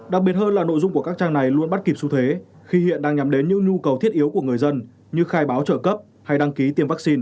đặc biệt hơn là nội dung của các trang này luôn bắt kịp xu thế khi hiện đang nhắm đến những nhu cầu thiết yếu của người dân như khai báo trợ cấp hay đăng ký tiêm vaccine